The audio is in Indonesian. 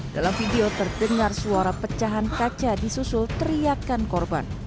dalam video terdengar suara pecahan kaca disusul teriakan korban